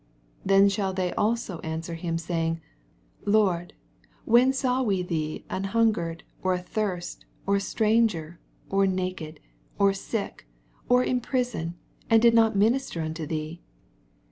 44 Then shall they also answer him, saying, Lord, when saw we thee an hungered, or athirst, or a stranger, oi naked^ or sick, or in prison, and did not minister nnto thee